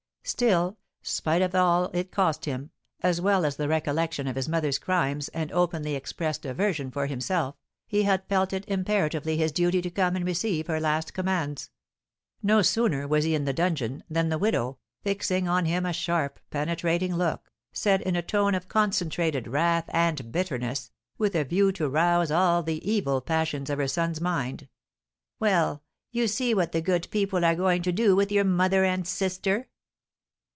Still, spite of all it cost him, as well as the recollection of his mother's crimes and openly expressed aversion for himself, he had felt it imperatively his duty to come and receive her last commands. No sooner was he in the dungeon than the widow, fixing on him a sharp, penetrating look, said, in a tone of concentrated wrath and bitterness, with a view to rouse all the evil passions of her son's mind: "Well, you see what the good people are going to do with your mother and sister!"